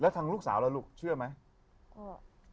แล้วทั้งลูกสาวแล้วลูกเชื่อไหม